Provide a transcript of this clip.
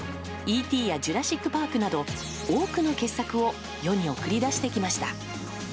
「Ｅ．Ｔ．」や「ジュラシック・パーク」など多くの傑作を世に送り出してきました。